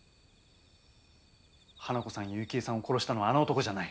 花子さんや雪枝さんを殺したのはあの男じゃない。